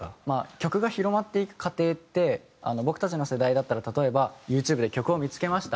曲が広まっていく過程って僕たちの世代だったら例えばＹｏｕＴｕｂｅで曲を見付けました。